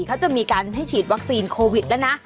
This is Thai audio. เขาจะมีการให้ฉีดวัคซีนโควิดแล้วนะ